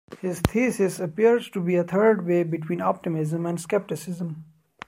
His thesis appears to be a third way between optimism and skepticism.